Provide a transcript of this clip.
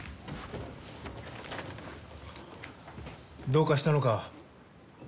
どうかしたのか？